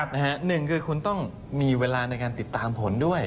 หนึ่งคือคุณต้องมีเวลาในการติดตามผลด้วย